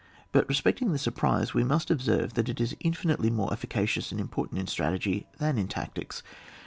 But respecting the surprise, •we must observe that it is infinitely more efficacious and important in strategy than in tactics.